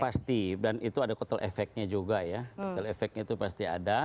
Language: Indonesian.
pasti dan itu ada kotel efeknya juga ya kotel efeknya itu pasti ada